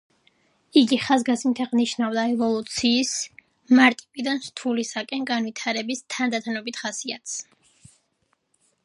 იგი ხაზგასმით აღნიშნავდა ევოლუციის, მარტივიდან რთულისაკენ განვითარების თანდათანობით ხასიათს.